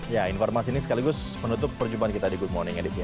ya informasi ini sekaligus menutup perjumpaan kita di good morning edition